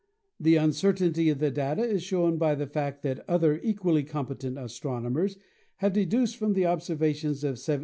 The uncertainty of the data is shown by the fact that other equally competent astronomers have deduced from the observations of 1769 parallaxes of 8".